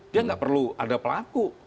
dia nggak perlu ada pelaku